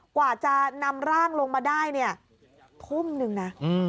กว่าจะนำร่างลงมาได้เนี่ยทุ่มนึงนะ